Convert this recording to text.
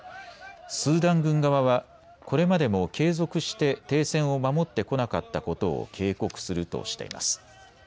スーダン軍側はこれまでも継続して停戦を守ってこなかったことを警告するとしています。